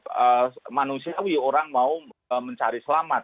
kalau manusiawi orang mau mencari selamat